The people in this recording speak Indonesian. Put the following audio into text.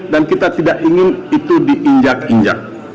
dan kita tidak ingin itu diinjak injak